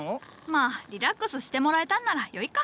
まあリラックスしてもらえたんならよいか。